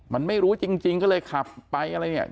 มันไม่รู้จริงก็เลยขับไปอะไรเนี่ย